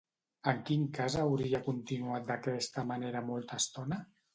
En quin cas hauria continuat d'aquesta manera molta estona?